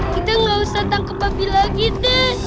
kita gak usah tangkep babi lagi